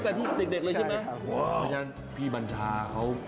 เพราะฉะนั้นพี่บัญชาเขา